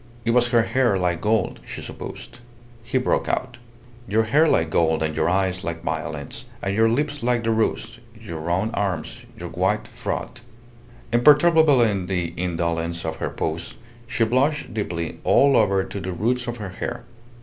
It was her hair like gold, she supposed. He broke out "Your hair like gold, and your eyes like violets, and your lips like the rose; your round arms, your white throat." ... Imperturbable in the indolence of her pose, she blushed deeply all over to the roots of her hair.